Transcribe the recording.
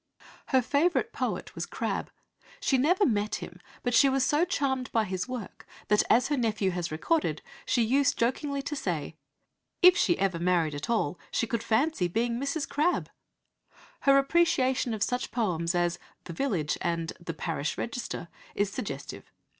Her favourite poet was Crabbe. She never met him, but she was so charmed by his work that, as her nephew has recorded, she used jokingly to say, "If she ever married at all, she could fancy being Mrs. Crabbe." Her appreciation of such poems as The Village and The Parish Register is suggestive.